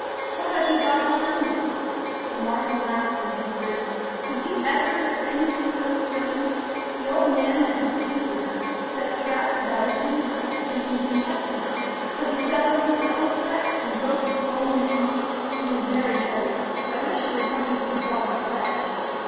what have you got behind you?" The marten laughed and answered: "Did you ever hear anything so strange? The old man that you see here set traps about his hen house, thinking to catch me but he fell into his own trap, and broke his own neck. He is very heavy; I wish you would help me to draw the sledge."